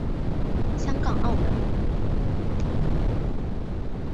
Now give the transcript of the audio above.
香港澳门